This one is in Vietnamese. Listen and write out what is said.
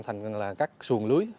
thành ra là các xuồng lưới